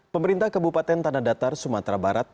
pemerintah kabupaten tanah datar sumatera barat